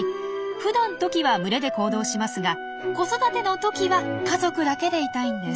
ふだんトキは群れで行動しますが子育ての時は家族だけでいたいんです。